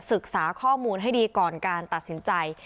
ศึกษาข้อมูลให้ดีก่อนการตัดสินใจ